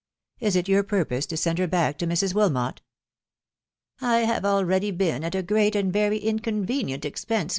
Is it your purpose to tend her back 4fe Mrs. Wilmot ?"" I have already been at JLgreat and 'very inconvenient ex pense